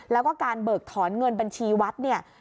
แล้วก็การเบิกถอนเงินบัญชีวัดเนี่ย